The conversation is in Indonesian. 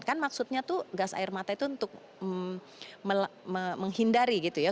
kan maksudnya tuh gas air mata itu untuk menghindari gitu ya